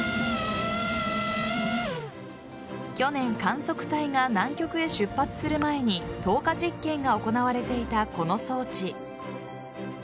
去年観測隊が南極へ出発する前に投下実験が行われていたこの装置。